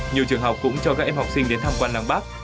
nhiều trường học cũng cho các em học sinh đến tham quan làng bắc